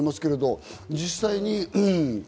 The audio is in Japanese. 実際に。